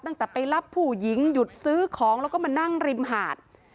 ตั้งแต่ไปรับผู้หญิงหยุดซื้อของแล้วก็มานั่งริมหาด